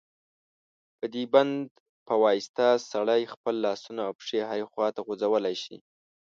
په دې بند په واسطه سړی خپل لاسونه او پښې هرې خواته خوځولای شي.